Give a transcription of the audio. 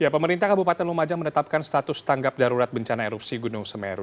pemerintah kabupaten lumajang menetapkan status tanggap darurat bencana erupsi gunung semeru